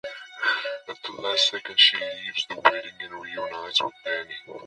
At the last second she leaves the wedding and reunites with Danny.